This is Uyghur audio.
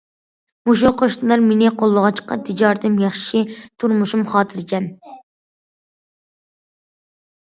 مۇشۇ قوشنىلار مېنى قوللىغاچقا تىجارىتىم ياخشى، تۇرمۇشۇم خاتىرجەم.